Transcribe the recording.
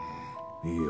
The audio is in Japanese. いいよ。